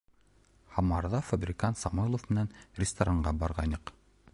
— Һамарҙа фабрикант Самойлов менән ресторанға барғайныҡ.